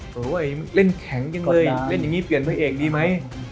เผื่อว่าเล่นแข็งอย่างไรเล่นอย่างนี้เปลี่ยนเผยเอกดีไหม